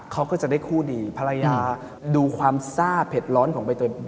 เขาก็จะได้คู่ดีภรรยาดูความซ่าเผ็ดร้อนของใบตน